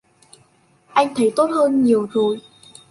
Anh thấy tốt hơn nhiều rồi